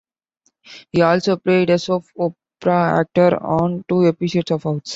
He also played a soap opera actor on two episodes of "House".